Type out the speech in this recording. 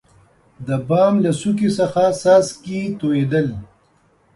دبام له څوکي څخه څاڅکي تویدل.